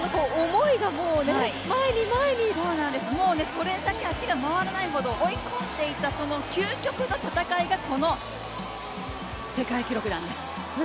それだけ足が回らないほど追い込んでいた究極の戦いがこの世界記録なんです。